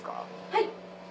はい。